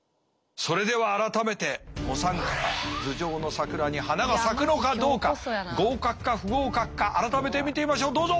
それでは改めてお三方頭上の桜に花が咲くのかどうか合格か不合格か改めて見てみましょうどうぞ！